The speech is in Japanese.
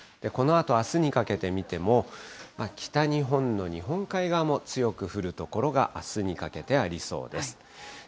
このあとあすにかけて見ても、北日本の日本海側も強く降る所があすにかけてありそうです。